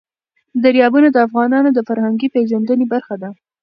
دریابونه د افغانانو د فرهنګي پیژندنې برخه ده.